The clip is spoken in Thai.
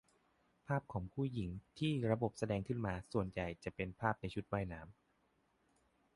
ภาพของผู้หญิงที่ระบบแสดงขึ้นมา ส่วนใหญ่จะเป็นภาพในชุดว่ายน้ำ